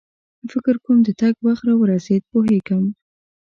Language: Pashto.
فکر کوم د تګ وخت را ورسېد، پوهېږم.